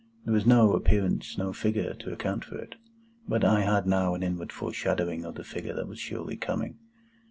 There was no appearance—no figure—to account for it; but I had now an inward foreshadowing of the figure that was surely coming.